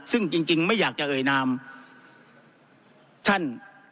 ซึ่งจริงไม่อยากจะเอ่ยนามท่าน